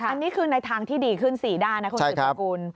อันนี้คือในทางที่ดีขึ้น๔ด้านนะครับคุณสุภาคุณ